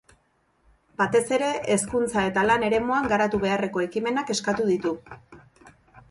Batez ere, hezkuntza eta lan eremuan garatu beharreko ekimenak eskatu ditu.